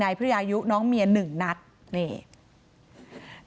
นายสาราวุธคนก่อเหตุอยู่ที่บ้านกับนางสาวสุกัญญาก็คือภรรยาเขาอะนะคะ